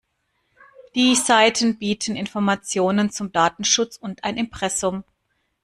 Die Seiten bieten Informationen zum Datenschutz und ein Impressum.